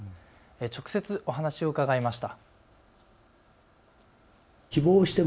直接、お話を伺いました。